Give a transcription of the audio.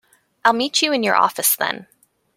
I'll meet you in your office then.